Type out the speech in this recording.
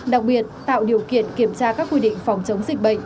đặc biệt tạo điều kiện kiểm tra các quy định phòng chống dịch bệnh